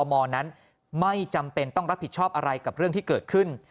มนั้นไม่จำเป็นต้องรับผิดชอบอะไรกับเรื่องที่เกิดขึ้น